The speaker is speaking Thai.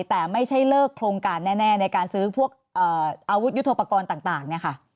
แต่ไม่ใช่เลิกโครงการแน่ในการซื้อพวกอาวุธยุทธโปรกรณ์ต่างเนี่ยค่ะ